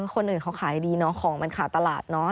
คนอื่นเขาขายดีเนาะของมันขาดตลาดเนาะ